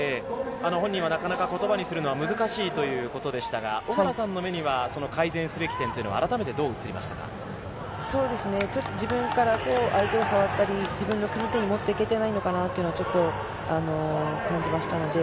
本人はなかなか言葉にするのは難しいということでしたが、小原さんの目には改善すべき点は自分から相手を触ったり自分の型に持っていけてないのかなっていうふうに感じました。